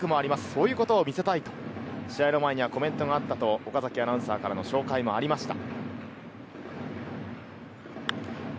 そういうことを見せたいと、試合の前にはコメントもあったと、岡崎アナウンサーからの紹介もありました。